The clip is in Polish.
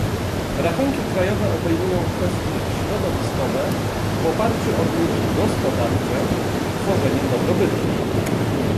Rachunki krajowe obejmują kwestie środowiskowe w oparciu o wyniki gospodarcze i tworzenie dobrobytu